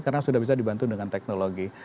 karena sudah bisa dibantu dengan teknologi